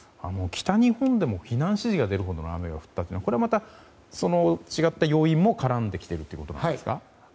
北日本でも避難指示が出るほどの雨が降ったというのはこれはまた、違った要因も絡んできているということなんですか。